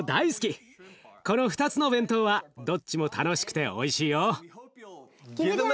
この２つの弁当はどっちも楽しくておいしいよ。